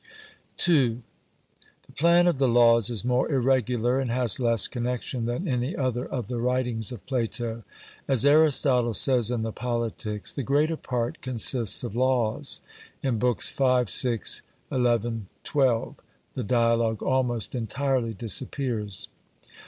II. The plan of the Laws is more irregular and has less connexion than any other of the writings of Plato. As Aristotle says in the Politics, 'The greater part consists of laws'; in Books v, vi, xi, xii the dialogue almost entirely disappears.